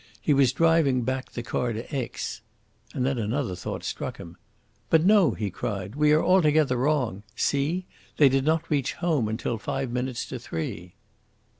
He was driving back the car to Aix " And then another thought struck him: "But no!" he cried. "We are altogether wrong. See! They did not reach home until five minutes to three."